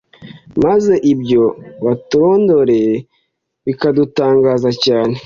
maze ibyo baturondoreye bikadutangaza cyane